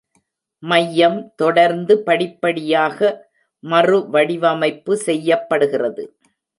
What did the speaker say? மையம் தொடர்ந்து படிப்படியாக மறுவடிவமைப்பு செய்யப்படுகிறது.